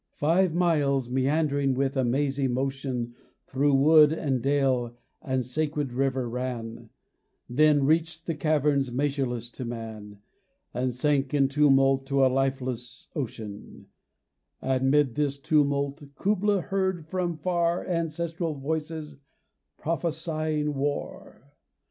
Five miles meandering with a mazy motion Through wood and dale the sacred river ran, Then reach'd the caverns measureless to man, And sank in tumult to a lifeless ocean: And 'mid this tumult Kubla heard from far Ancestral voices prophesying war!